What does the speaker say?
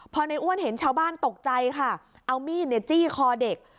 พอในอ้วนเห็นชาวบ้านตกใจค่ะเอามีดจี้คอเด็ก